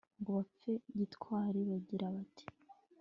ngo bapfe gitwari, bagira bati